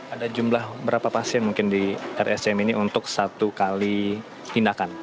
ada jumlah berapa pasien mungkin di rscm ini untuk satu kali tindakan